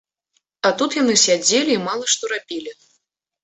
А тут яны сядзелі і мала што рабілі.